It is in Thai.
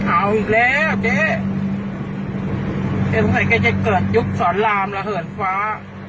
เอาอีกแล้วเจ๊สงสัยแกจะเกิดยุคสอนรามระเหินฟ้า